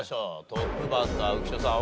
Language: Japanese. トップバッター浮所さん